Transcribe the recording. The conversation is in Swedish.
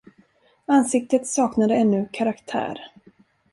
Ansiktet saknade ännu karaktär.